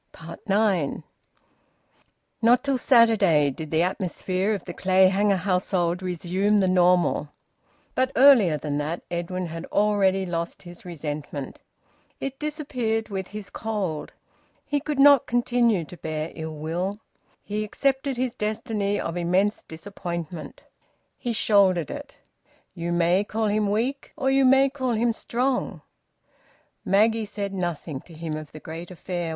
NINE. Not till Saturday did the atmosphere of the Clayhanger household resume the normal. But earlier than that Edwin had already lost his resentment. It disappeared with his cold. He could not continue to bear ill will. He accepted his destiny of immense disappointment. He shouldered it. You may call him weak or you may call him strong. Maggie said nothing to him of the great affair.